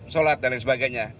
sholat dan lain sebagainya